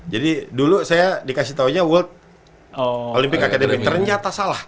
jadi dulu saya dikasih tawanya world olympic academy ternyata salah